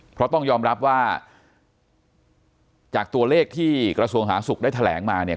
เพราะต้องยอมรับว่าจากตัวเลขที่กระทรวงสาธารณสุขได้แถลงมาเนี่ย